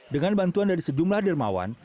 dengan bantuan dari sejumlah dermawan